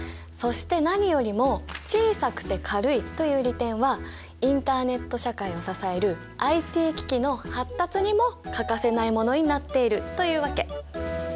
そして何よりも小さくて軽いという利点はインターネット社会を支えるＩＴ機器の発達にも欠かせないものになっているというわけ。